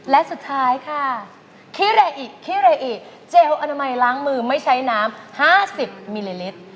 และสุดท้ายค่ะคิเรอิคิเรอิเจลอนามัยล้างมือไม่ใช้น้ำ๕๐มิลลิลิตร